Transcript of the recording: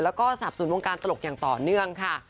แล้วก็สับสนวงการตลกอย่างต่อเนื่องค่ะ